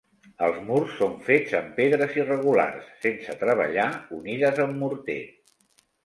Els murs són fets amb pedres irregulars, sense treballar unides amb morter.